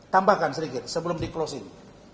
tambahkan sedikit sebelum di closing